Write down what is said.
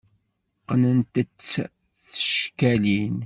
Qqnent-tt s tcekkalin.